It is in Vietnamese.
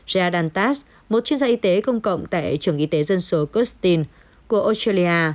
rhea dantas một chuyên gia y tế công cộng tại trường y tế dân số kirstin của australia